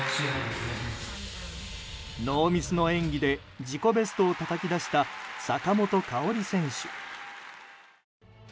ノーミスの演技で自己ベストをたたき出した坂本花織選手。